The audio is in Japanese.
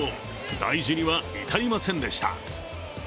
大事には至りませんでした。